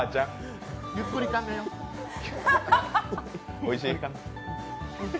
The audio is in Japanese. おいしい？